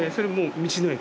道の駅。